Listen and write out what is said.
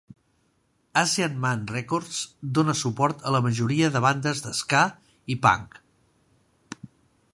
Asian Man Records dona suport a la majoria de bandes de ska i punk.